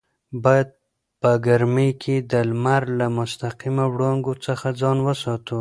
باید په ګرمۍ کې د لمر له مستقیمو وړانګو څخه ځان وساتو.